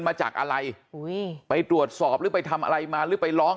มาจากอะไรอุ้ยไปตรวจสอบหรือไปทำอะไรมาหรือไปร้อง